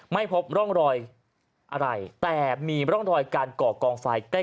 ไม่พบร่องรอยอะไรแต่มีร่องรอยการก่อกองไฟใกล้